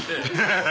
ハハハ。